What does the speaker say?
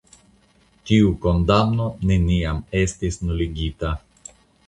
Tiu kondamno neniam estis nuligita.